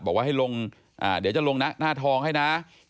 บอกว่าให้ลงเดี๋ยวจะลงหน้าทองให้นะ